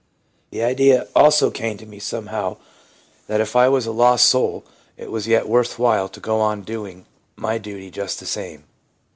The idea also came to me somehow that if I was a lost soul it was yet worth while to go on doing my duty just the same.